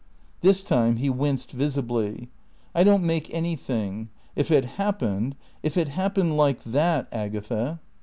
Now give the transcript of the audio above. This time he winced visibly. "I don't make anything. If it happened if it happened like that, Agatha